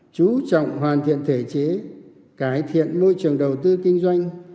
chú trọng hoàn thiện thể chế cải thiện môi trường đầu tư kinh doanh